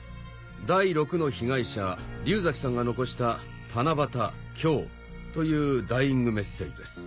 第６の被害者竜崎さんが残した「たなばたきょう」というダイイングメッセージです。